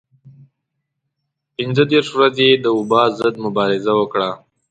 پنځه دېرش ورځې یې د وبا ضد مبارزه وکړه.